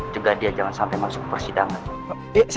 juga dia jangan sampai masuk ke persidangan